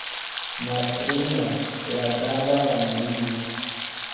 Mastrino de la granda familio.